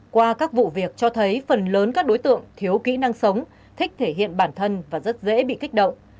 qua các vụ việc cho thấy phần lớn các đối tượng thiếu kỹ năng sống thích thể hiện bản thân và rất dễ bị kích động